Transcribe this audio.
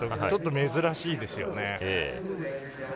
ちょっと珍しいですね。